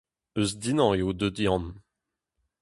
Eus Dinan eo deuet Yann.